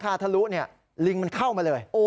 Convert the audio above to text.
เพราะหลังคาทะลุลิงเข้ามาเลย